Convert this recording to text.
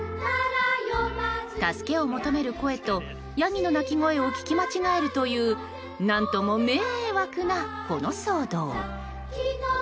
助けを求める声とヤギの鳴き声を聞き間違えるという何ともメ惑な、この騒動。